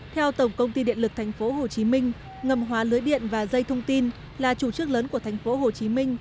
theo tổng công ty điện lực tp hcm ngầm hóa lưới điện và dây thông tin là chủ trương lớn của tp hcm